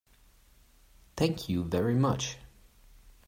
Thank you very much.